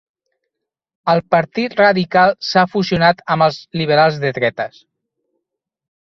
El Partit Radical s'ha fusionat amb els liberals de dretes.